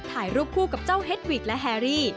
ถ่ายรูปคู่กับเจ้าเฮ็ดวิกและแฮรี่